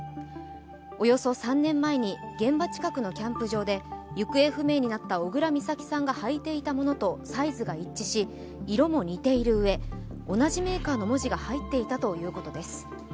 およそ３年前に現場近くのキャンプ場で行方不明になった小倉美咲さんが履いていたものとサイズが一致し色も似ているうえ、同じメーカーの文字が入っていたということです。